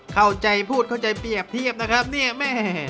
เข้าใจพูดเข้าใจเปรียบเทียบนะครับเนี่ยแม่